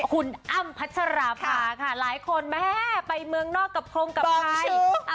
คุณอ้ำพัชราภาค่ะหลายคนแม่ไปเมืองนอกกับโครงกับใคร